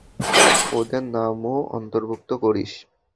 ওদের নামও অন্তর্ভুক্ত করিস।